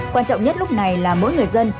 quan trọng nhất lúc này là mỗi người dân